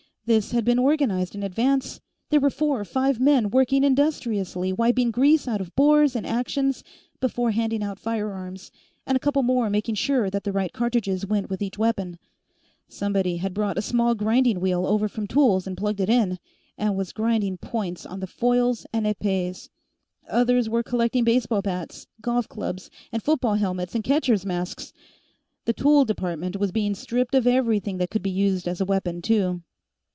This had been organized in advance. There were four or five men working industriously wiping grease out of bores and actions before handing out firearms, and a couple more making sure that the right cartridges went with each weapon. Somebody had brought a small grinding wheel over from Tools and plugged it in, and was grinding points on the foils and épées. Others were collecting baseball bats, golf clubs, and football helmets and catchers' masks. The Tool Department was being stripped of everything that could be used as a weapon, too.